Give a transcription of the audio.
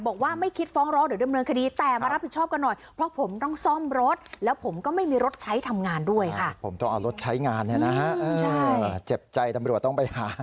บอกว่าไม่คิดฟ้องร้อง